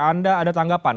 anda ada tanggapan